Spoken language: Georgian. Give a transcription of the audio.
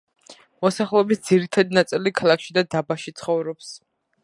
მოსახლეობის ძირითადი ნაწილი ქალაქში და დაბაში ცხოვრობს.